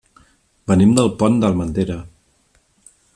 Venim del Pont d'Armentera.